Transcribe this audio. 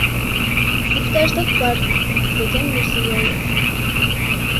Муктаждык бар, — деген Мирзиёев.